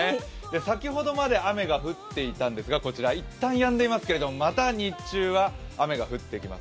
先ほどまで雨が降っていたんですがこちら、一旦やんでいますけれども、また日中は雨が降ってきます。